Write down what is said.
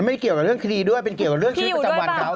เกี่ยวกับเรื่องคดีด้วยเป็นเกี่ยวกับเรื่องชีวิตประจำวันเขา